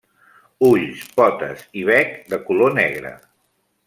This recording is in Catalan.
Ulls, potes i bec de color negre.